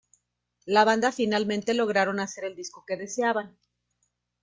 La banda finalmente lograron hacer el disco que deseaban.